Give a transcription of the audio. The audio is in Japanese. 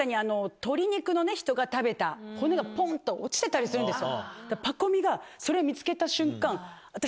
人が食べた骨がポンと落ちてたりするんですよ。